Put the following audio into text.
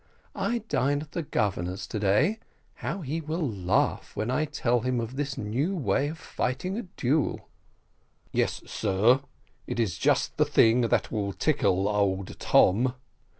I dine at the Governor's to day; how he will laugh when I tell him of this new way of fighting a duel!" "Yes, sir, it is just the thing that will tickle old Tom."